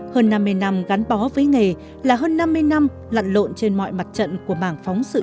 hơn năm mươi năm gắn bó với nghề là hơn năm mươi năm lặn lộn trên mọi mặt trận của mảng phóng sự